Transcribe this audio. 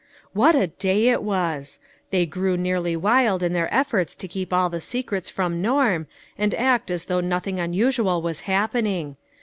What a day it was ! They grew nearly wild in their efforts to keep all the secrets from Norm, and act as though nothing unusual was i O O happening.